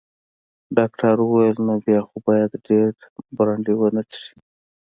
ډاکټر وویل: نو بیا خو باید ډیر برانډي ونه څښې.